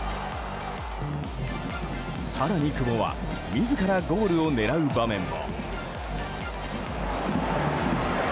更に久保は自らゴールを狙う場面も。